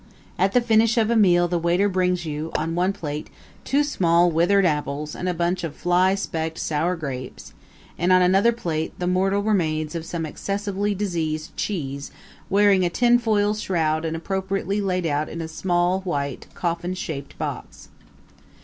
At the finish of a meal the waiter brings you, on one plate, two small withered apples and a bunch of fly specked sour grapes; and, on another plate, the mortal remains of some excessively deceased cheese wearing a tinfoil shroud and appropriately laid out in a small, white, coffin shaped box.